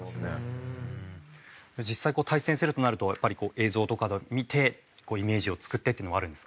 実際対戦するとなるとやっぱり映像とかで見てイメージを作ってっていうのもあるんですか？